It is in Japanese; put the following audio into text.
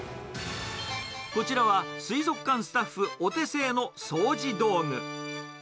こちらは水族館スタッフお手製の掃除道具。